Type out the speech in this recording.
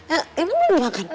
ya udah makan